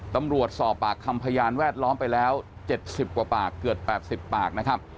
ตำรวจสอบปากทำพยาบาลแวดล้อมไปแล้ว๗๐ปากเกิด๘๐ปาก